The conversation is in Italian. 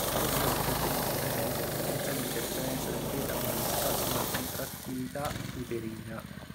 Si deve inoltre tenere presente la potenziale interferenza del beta agonista sulla contrattilità uterina.